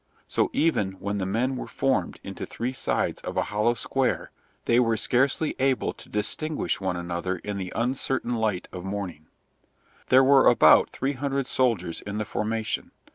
So even when the men were formed into three sides of a hollow square, they were scarcely able to distinguish one another in the uncertain light of the morning. There were about three hundred soldiers in the formation.